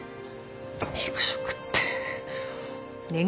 肉食って。